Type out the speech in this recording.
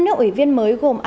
năm nước ủy viên mới gồm angelo